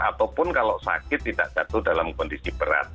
ataupun kalau sakit tidak jatuh dalam kondisi berat